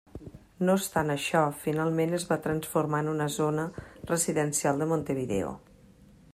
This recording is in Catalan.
No obstant això, finalment es va transformar en una zona residencial de Montevideo.